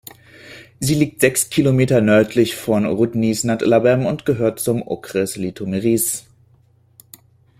Sie liegt sechs Kilometer nördlich von Roudnice nad Labem und gehört zum Okres Litoměřice.